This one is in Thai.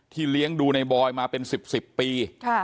เลี้ยงดูในบอยมาเป็น๑๐ปี